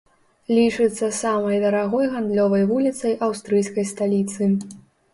Лічыцца самай дарагой гандлёвай вуліцай аўстрыйскай сталіцы.